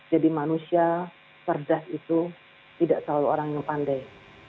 jadi manusia serdas itu tidak selalu orang yang pandai